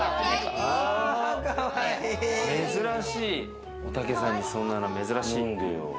珍しい、おたけさんにそんなの珍しい。